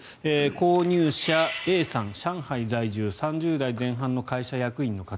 購入者、Ａさん上海在住３０代前半会社役員の方。